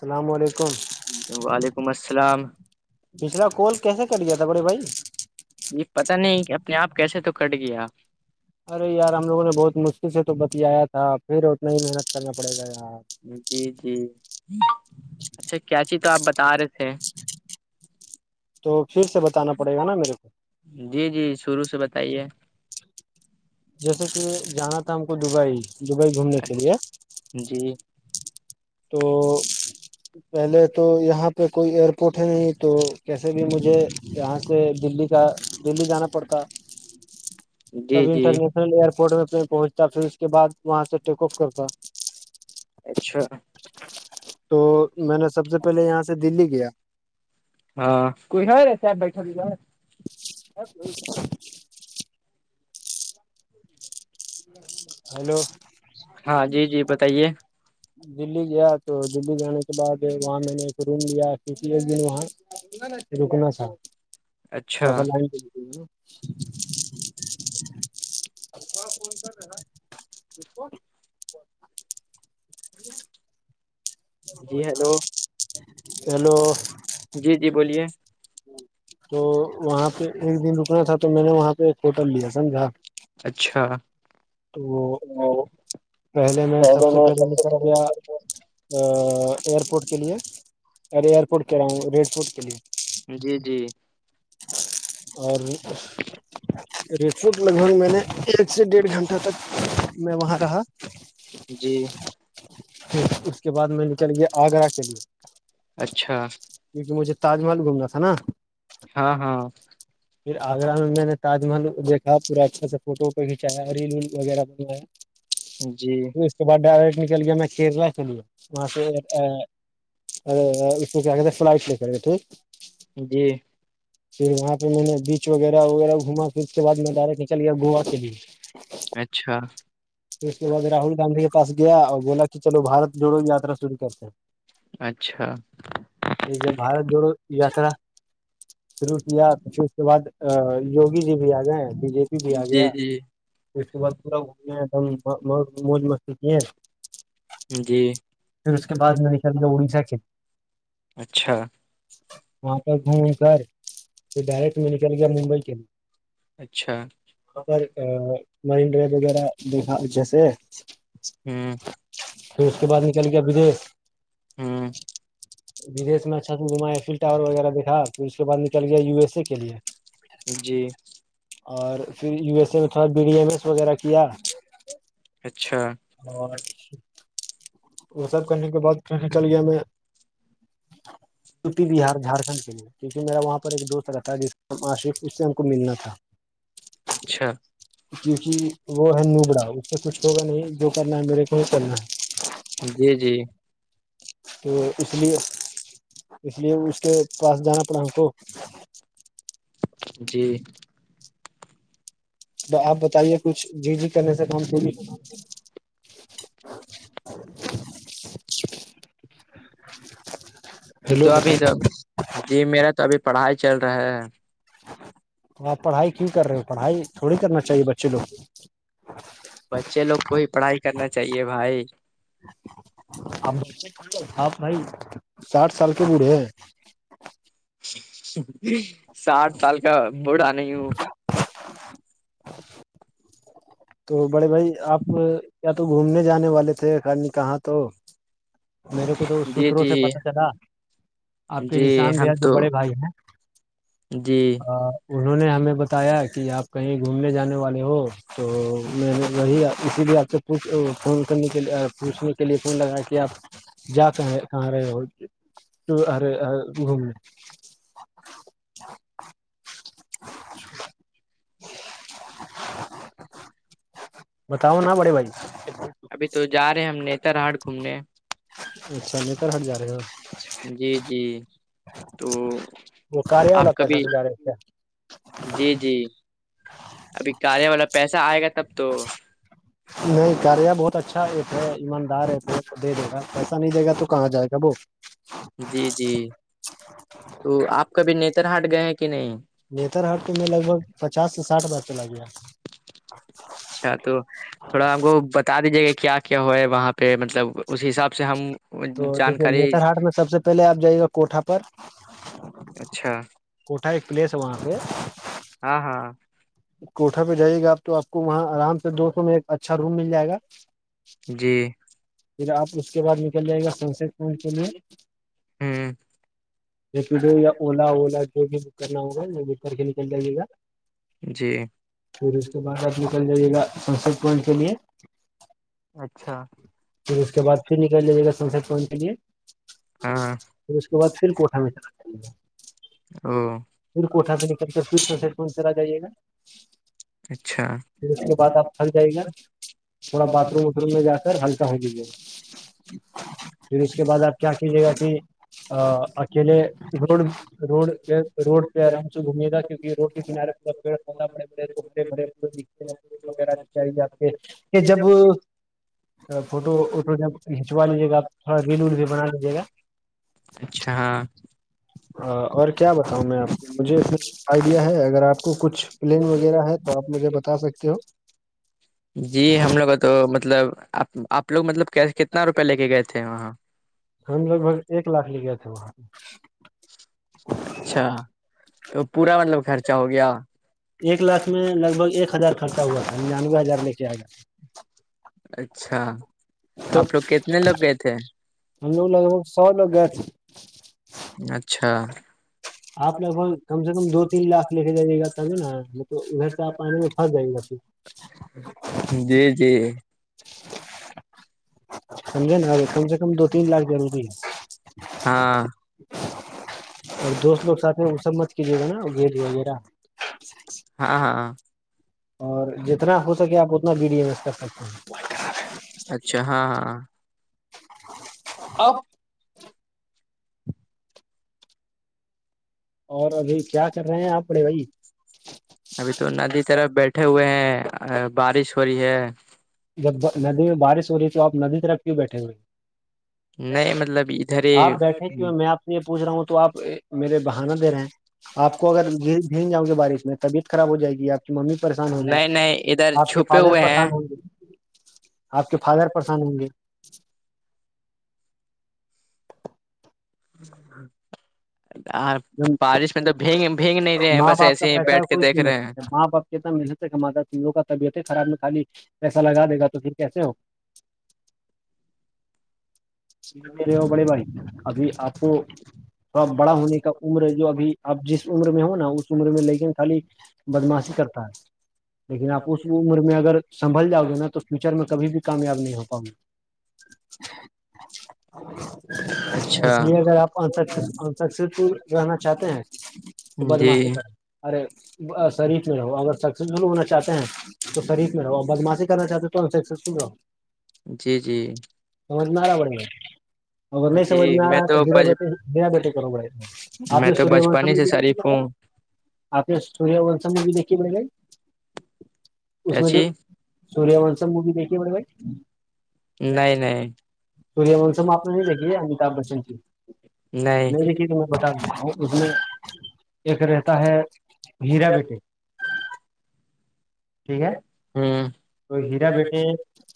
اللام علیکم پچھلا کال کیسے کٹ گیا تھا بڑے بھائی یہ پتا نہیں کہ اپنے آپ کیسے تو کٹ گیا ارے یار ہم لوگوں نے بہت مشکل سے تو بتیا تھا پھر اتنا ہی محنت کرنا پڑے گا یار جی جی اچھا کیا چیز تو آپ بتا رہے تھے تو پھر سے بتانا پڑے گا نا میرے کو جی جی شروع سے بتائیے جیسے کہ جانا تھا ہم کو دبئی دبئی گھومنے کے لیے جی تو پہلے تو یہاں پہ کوئی ایئرپورٹ ہے نہیں تو کیسے بھی مجھے یہاں سے دلی کا دلی جانا پڑتا سب انٹرنیشنل ایئرپورٹ میں پھر پہنچتا پھر اس کے بعد وہاں سے ٹیک آف کرتا اچھا تو میں نے سب سے پہلے یہاں سے دلی گیا ہاں کوئی ہ ر س آپ بیٹو گ فخ ہیلو ہاں جی جی بتائیے دی گیا تو دلی جانے کے بعد وہاں میں نے ایک روم لیا کسی ایک دن وہاں رکنا تھا فن کر رہ کو ہیلو جی جی بولیے تو وہاں پہ ایک دن رکنا تھا تو میں نے وہاں پہ ایک ہوٹل لیا سمجھا اچھا وہ فد سب ایئرپورٹ کے لیے ار ایئرپورٹ کہ رہا ہوں ریڈ فورٹ کے لیے جی جی اور ریوٹ لگ بھگ میں نے ایک سے ڈیڑھ گھنٹہ تک میں وہاں رہا جی اس کے بعد میں نکل گیا آگرہ کے لیے اچھا کیونکہ مجھے تاج محل گھومنا تھا نا ہاں ہاں پھر آگرہ میں میں نے تاج محل دیکھا پورا اچھا سے فوٹو پ کھنچایا اور لول وغیرہ بنوایا جی اس کے بعد ڈائریکٹ نکل گیا میں کیرلا چلیا وہاں سے ار اس کیا کہتے ہیں فلائٹ لے کر کے ٹھیک جی پھر وہاں پہ میں نے بیچ وغیرہ وغیرہ گھا پھر اس کے بعد میں ڈائریکٹ نکل گیا گوا کے لیے اس کے بعد راہل گاندھی کے پاس گیا اور بولا کہ چلو بارت جوڑو یاترا شرو کرتے ہیں اچھا یہ ج بارت جوڑو یاترا شرو کیا پھر اس کے بعد یوگی جی بھی آ گئے ہیں بی جے پی بھی آ گیا اس کے بعد پورا گھومنے ایک دم موج مستی کیے جی باز نہیں ک اڑیشا کھیل وہاں پ گھوم کر پھر ڈائریکٹ م کیال گیا ممبئی کے اچھا منڈرے وغیرہ دیکھا جیسے پھر اس کے بعد نکل گیا بدیش بدی میں اچھا س گھما ای فل ٹاور وغیرہ دیکھا پھر اس کے بعد نکل گیا یو ایس ا کے لیے اور پھر یو ایس ا میں تھوڑا بی ڈی ایم ایس وغیرہ کیا اچھا اورھ وہ سب کنٹری کے بہت ک چل گیا میں یو پی بہار جھارکھنڈ کے لیے کیونکہ میرا وہاں پر ایک دوست رہا تھا جس کا نام آشف اس سے ہم کو ملنا تھا اچھا کیونکہ وہ ہے نوبڑا اس سے کچھ ہوگا نہیں جو کرنا ہے میرے کو ہی کرنا ہے جی جی تو اس لیے اس لیے اس کے پاس جانا پڑا ہم کو جی آپ بتائیے کچھ جی جی کرنے سے کام پی [unintelligible] یہ تو ابھی تو جی میرا تو ابھی پڑھائی چل رہا ہے تو آپ پڑھائی کیوں کر رہے ہو پڑھائی تھوڑی کرنا چاہیے بچے لوگ بچے لوگ کو ہی پڑھائی کرنا چاہیے بھائی ہ بھائی ساٹھ سال کے بوڑھے ہیں ساٹھ سال کا بڑا نہیں ہوں تو بڑے بھائی آپ کیا تو گھومنے جانے والے تھے خ کہاں تو میرے کو تو سوتروں سے پتا چلا آپ کے رشان بھیا جو بڑے بھائی ہیں جی انہوں نے ہمیں بتایا کہ آپ کہیں گھومنے جانے والے ہو تو میں وہی اسی لیے آپ سے پوچھ فون کرنے کےے پوچھنے کے لیے فون لگایا کہ آپ جا کہاں کہاں رہے ہورے گھومنے بتاؤ نا بڑے بھائی ابھی تو جا رہے ہیں ہم نتر ہاٹ گھومنے اچھا نہیںتر ہٹ ج رہے ہو جی جی تو آپ کبھی اچھا جی جی ابھی کارے والا پیسہ آئے گا تب تو نہیں کراریا بہت اچھا ہے ایماندار ہے کو دے دے گا پیسا نہیں دے گا تو کہاں جائے گا ب جی جی تو آپ کبھی نیتر ہاٹ گئے ہیں کہ نہیں نتر ہفتے میں لگ بھگ پچاس سے سٹھ بار چلا گیا اچھا تو تھوڑا ہم کو ب بتا دیجیے گا کیا کیا ہو ہے وہاں پہ مطلب اس حساب سے ہم تو دیکھیے نتر ہاٹ میں سب سے پہلے آپ جائیے گا کوٹا پر کوٹھا ایک پلیس ہے وہاں پہ ہاں ہاں کوٹا پہ جائیے گا آپ تو آپ کو وہاں آرام سے دو سو میں ایک اچھا روم مل جائے گا جی پھر آپ اس کے بعد نکل جائے گا سنسٹ ان میں د جو یا اولا اولا جو بھی کرنا ہوگا کر کے نکل جائیے گا جی پھر اس کے بعد آپ نکل جائیے گا سنسٹ پوائنٹ کے لیے اچھا پھر اس کے بعد پھر نکل لیجیے گا سنسد پوائنٹ کے لیے پھر اس کے بعد پھر کوٹا میں چلا ج پھر کوٹا سے نکل کے پھر س چل آ جائیے گا اچھا پھر اس کے بعد آپ گھر جائے گا تھوڑا باتھ روم وھ روم میں جا کر ہلکا ہوجے گ پھر اس کے بعد آپ کیا کیجیے گا کہ اکیلے روڈ روڈ پ روڈ پہ آرام سے گھمی تھا کیکہ روڈ کے کنارے پورا پڑ ساڑے پڑے چےے پے وغیرہ آپ کے کہ جب تو فوٹو ووٹو جب کھینچا لیجیے گا آپ تھوڑا ریل ول بھی بنا لیجیے گا اچھا ہاں اور کیا بتاؤں میں آپ کو مجھے آئیڈیا ہے اگر آپ کو کچھ پلین وغیرہ ہے تو آپ مجھے بتا بتا سکتے ہو جی ہم لوگوں تو مطلبپ آپ لوگ مطلب کیس کتنا روپیہ لے کے گئے تھے وہاں ہم لگ بھگ ایک لاکھ لے گئے تھے وہاں پہ اچھا ایک لاکھ میں لگ بھگ ایک ہزار خرچا ہوا تھا ننانوے ہزارے کے آ گیا اچھا تو آپ لوگ کتنے لوگ گئے تھے ہم لوگ لگ بگ سو لوگ گئے تھ اچھا [inaudible] جی جی [inaudible] سمجھے نا ارے کم سے کم دو تین لاکھ ضروری ہے اور دوست لوگ ساتھ ہیں وہ سب مت کیجیے گا نا گیند وغیرہ [inaudible] ہاں ہاں اور جتنا ہو سکے آپ اتنا بی ڈی ایم ایس کر سکتے ہیں اچھا ہاں ہاں آ اور ابھی کیا کر رہے ہیں آپ بڑے بھائی ابھی تو ندی طرف بیٹھے ہوئے ہیں بارش ہو رہی ہے جب ندی میں بارش ہو رہی ہے تو آپ ندی طرف کیوں بیٹھے ہوئے آپ بیٹھے کی میں آپ سے یہ پوچھ رہا ہوں تو آپ میرے بہانہ دے رہے ہیں آپ کو اگر بھیل جاؤ گے بارش میں طبیعت خراب ہو جائے گی آپ کی ممی پریشان ہوگی آپ کے فادر پریشان ہوں گے آپ کے فادر پریشان ہوں گے ہاں بارش میں تو بھیگ بھینگ نہیں رہے ہیں بس ایسے ہی بیٹھ کے دیکھ رہے ہیں کتنا محنت سے کماتا ت وہ کا طبیتیں خراب میں خالی پیسہ لگا د گا تو پھر کیسے ہو دے رہے ہو بڑے بھائی ابھی آپ کو تھوڑا بڑا ہونے کا عمر جو ابھی آپ جس عمر میں ہو نا اس عمر میں لیکن خالی بدماشی کرتا ہے لیکن آپ اس عمر میں اگر سنبھل جاؤ گے نا تو فیوچر میں کبھی بھی کامیاب نہیں ہو پاؤں گی [unintelligible] اس لیے اگر آپ [unintelligible] رہنا چاہتے ہیں تو بدماشی کریں ارے شریف میں رہو اگر سکسیزفل ہونا چاہتے ہیں تو شرییک میں رہو اور بدماشی کرنا چاہتے ہو تو ہم سکسیزفل رہو جی جی سمجھ میں آ رہا اگر نہیں سمجھ میں آ رہا ہے تو [unintelligible] آپ نے سوریہ وش م بھی دیکھیے ب آپ نے سوریہ ونش بھی دیکھی بگ اس میں جو سور منسل مووی دیکھی بڑے بھائی نہیں نہیں سوریہ منسم آپ نے نہیں دیکھی امیتابھ بچن کی نہیں دیکھی ت ب اس میں ایک رہتا ہے ہیرا بیٹے ٹھیک ہے تو ہیرا بیٹے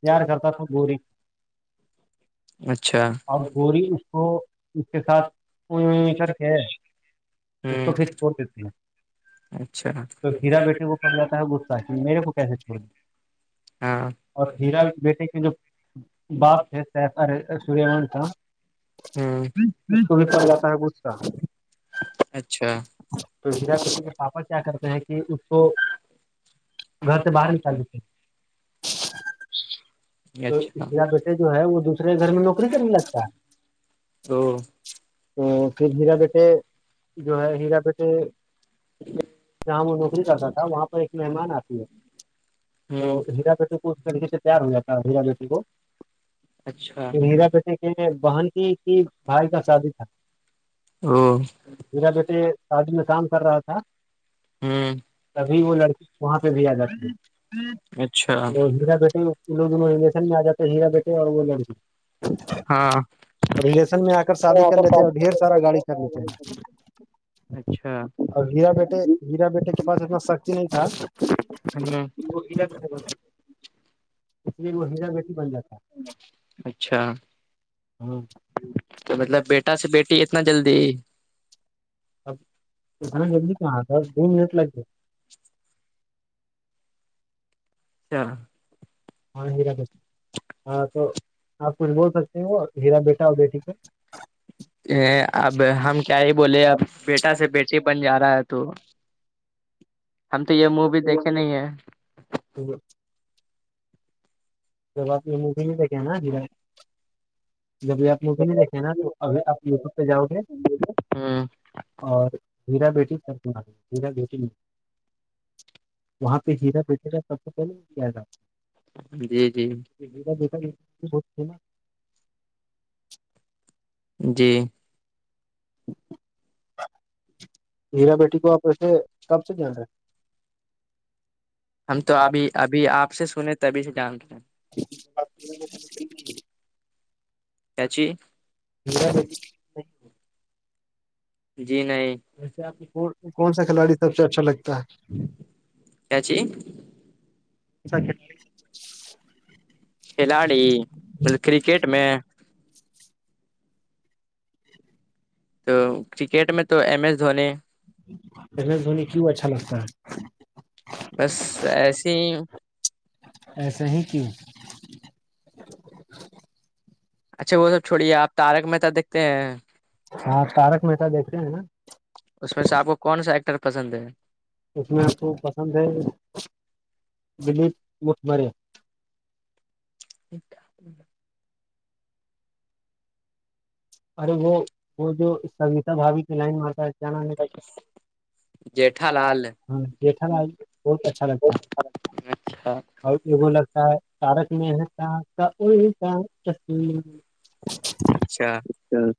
پیار کرتا تھا گوروری اور گوری اس کو اس کے ساتھ اونئی ائی کر کے اس کو پھر چھوڑ دیتی ہیں تو ہیرا بیٹے وہ کر لیاتتا ہے وہ میرے کو کیسے چوڑ دیں اور ہیرا بیٹے کے [unintelligible] ارے سوریہ منتا [unintelligible] تو ہیرا پ کے پاپا کیا کرتے ہیں کہ اس کو گھر سے باہر نکال دیتے تو اس طرح بیٹے جو ہے وہ دوسرے گھر میں نوکری کرنے لگتا ہے تو پھر ہییرا بیٹے جو ہے ہییرا بیٹے جہاں وہ نوکری کرتا تھا وہاں پر ایک مہمان آتی ہے تو ہییرا بیٹی کو اس طریقے سے پیار ہو جاتا ہییرا بیٹی کو ہیرا بیٹے کے بہن کی کی بھائی کا شادی تھا ہیرا بیٹے شادی میں کام کر رہا تھا [inaudible] تبھی وہ لڑکی وہاں پہ بھی آ جاتی ہے تو ہیرا بیٹےوں دونوں ریکشن میں آ جاتے ہییرا بیٹے اور وہ لڑی ہاں ریلیشن میں آ کر شادی کر لیتے ہیں اور ڈھیر سارا گاڑی کر لیتے ہیں اور ہیرا بیٹے ہیرا بیٹے کے پاس اتنا سخی نہیں تھا [unintelligible] اس لیے وہ ہیرا بیٹی بن جاتا ہے اچھا ہاں تو مطلب بیٹا سے بیٹی اتنا جلدی اب جانا جلدی کہاں تھا دو منٹ لگ گئے اچھا ہاں [unintelligible] ہاں تو آپ کچھ بول سکتے ہیں وہ ہیرا بیٹا اور بیٹی پہ ا اب ہم کیا ہی بولے اب بیٹا سے بیٹی بن جا رہا ہے تو ہم تو یہ مووی دیکھے نہیں ہے [unintelligible] تو آپ مھ ہی کہ نا جبھی آپ کےے دیکھے نا تو ابھی آپ یوٹیوب پہ جاؤ گے اور ہیرا بیٹی کر ہیرا بیٹی نہیں وہاں پہ ہیرا بچھیرا سب سے پہلے کیا تھا جی جی کیا ب ہوتی نا جی ہیرا بیٹی کو آپ ایسے کب سے جان ہے ہم تو ابھی ابھی آپ سے سنے تبھی سے جان کریں [inaudible] کیاچ ج آپ کو کون سا کھلاڑی سب سے اچھا لگتا ہے کیاچ اچ کھلاڑی مطلب کررکٹ میں تو کرکٹ میں تو ایم ایس دھونی دھونی کیوں اچھا لگتا ہے بس ایسے ہی ایسا ہی کیوں اچھا وہ سب چھوڑی ہے آپ تارک مہتا دیکتے ہیں ہاں تارک مہتا دیکھتے ہیں نا اس میں سے آپ کو کون سا ایکٹر پسند ہے اس میں آپ کو پسند ہے دلیپ مٹمریا ا ارے وہ وہ جو سگیتا بھوی کی لائن میں آتا اچانک دیکھا لا دیکھا لا بہت اچھا لگتا ہے اور ایگو لگتا ہے تارک میں ہےتا تصیر اچھا چل